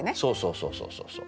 そうそうそうそう。